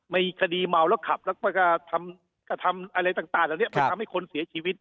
มีคดีเมาแล้วขับแล้วก็ทำอะไรต่างเพื่อทำให้คนเสียชีวิต